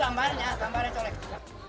gambarnya gambarnya colek